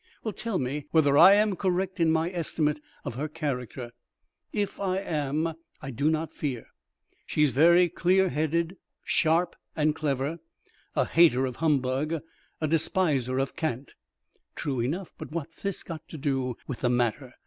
"Well, tell me whether I am correct in my estimate of her character. If I am, I do not fear. She's very clear headed, sharp, and clever; a hater of humbug, a despiser of cant." "True enough; but what's this got to do with the matter?"